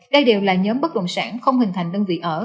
đây đều là nhóm bất động sản không hình thành đơn vị ở